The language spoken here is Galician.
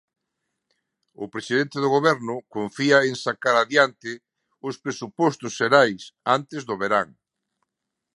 O presidente do Goberno confía en sacar adiante os presupostos xerais antes do verán.